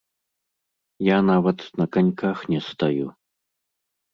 Я нават на каньках не стаю.